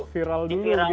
viral dulu begitu ya